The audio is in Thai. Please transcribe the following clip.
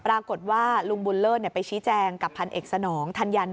ปรากฏว่าลุงบุญเลิศเนี่ยไปชี้แจงกับพันธุ์เอกสนองธัญแยนนม